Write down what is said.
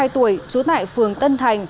bốn mươi hai tuổi chú tại phường tân thành